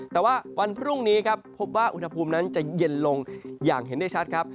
แต่ว่าวันพรุ่งนี้ครับพบว่าอุณหภูมินั้นจะเย็นลงอย่างเห็นได้ชัดครับ